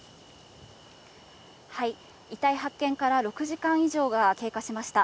遺体発見から６時間以上が経過しました。